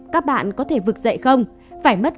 các bạn có thể vực dậy không phải mất